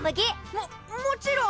ももちろん！